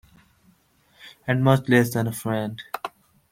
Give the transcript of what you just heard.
And much less than a friend.